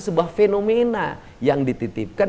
sebuah fenomena yang dititipkan